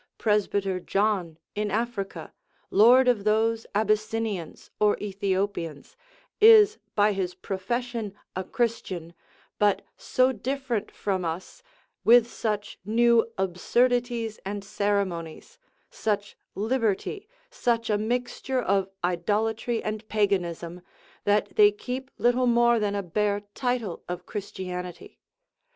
Presbyter John, in Africa, lord of those Abyssinians, or Ethiopians, is by his profession a Christian, but so different from us, with such new absurdities and ceremonies, such liberty, such a mixture of idolatry and paganism, that they keep little more than a bare title of Christianity.